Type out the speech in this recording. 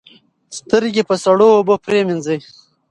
سترګې په سړو اوبو پریمنځئ.